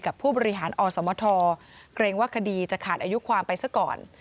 ผู้บริหารอสมทเกรงว่าคดีจะขาดอายุความไปซะก่อน